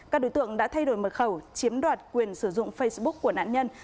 các đối tượng đã thay đổi mật khẩu chiếm đoạt quyền sử dụng facebook của nạn nhân